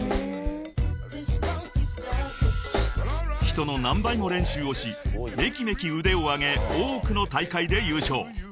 ［人の何倍も練習をしめきめき腕を上げ多くの大会で優勝］